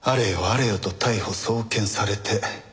あれよと逮捕送検されて。